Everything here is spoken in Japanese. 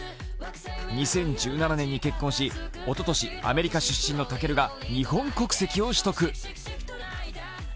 ２０１７年に結婚し、おととしアメリカ出身の尊が日本国籍を取得。